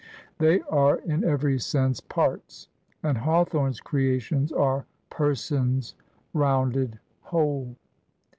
They are, in every sense, parts, and Hawthorne's creations are persons, rounded, whole.